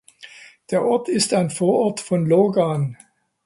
Der Ort ist ein Vorort von Logan.